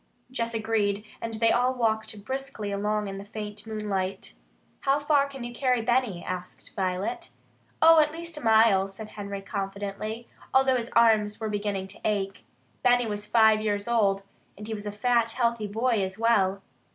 Jess agreed, and they all walked briskly along in the faint moonlight. "How far can you carry Benny?" asked Violet. "Oh, at least a mile," said Henry confidently, although his arms were beginning to ache. Benny was five years old, and he was a fat, healthy boy as well.